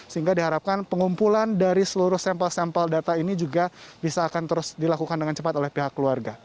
sehingga diharapkan pengumpulan dari seluruh sampel sampel data ini juga bisa akan terus dilakukan dengan cepat oleh pihak keluarga